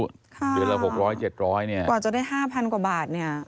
เดือนละ๖๐๐๗๐๐เนี่ยกว่าจะได้๕๐๐๐กว่าบาทเนี่ย